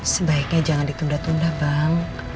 sebaiknya jangan ditunda tunda bang